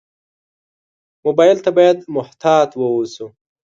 موبایل ته باید محتاط ووسو.